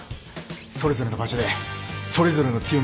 それぞれの場所でそれぞれの強みで。